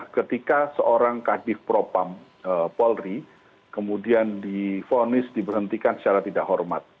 ketika seorang kadif propam polri kemudian difonis diberhentikan secara tidak hormat